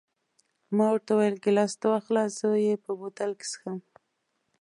ما ورته وویل: ګیلاس ته واخله، زه یې په بوتل کې څښم.